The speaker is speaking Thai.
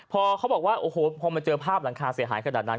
พอเขาบอกว่าโอ้โหพอมาเจอภาพหลังคาเสียหายขนาดนั้น